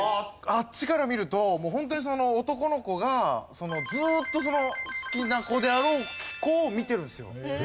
あっちから見るとホントにその男の子がずーっとその好きな子であろう子を見てるんですよ。